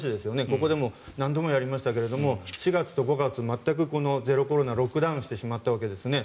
ここでも何度もやりましたが４月と５月全くゼロコロナロックダウンしてしまったわけです。